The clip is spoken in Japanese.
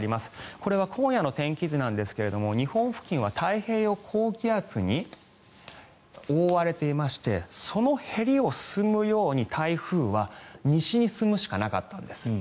これは今夜の天気図ですが日本付近は太平洋高気圧に覆われていましてそのへりを進むように、台風は西に進むしかなかったんです。